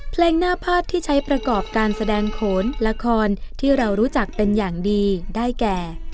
เพลงหน้าพาดที่ใช้ประกอบการแสดงโขนละครที่เรารู้จักเป็นอย่างดีได้แก่